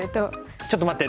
「ちょっと待って！」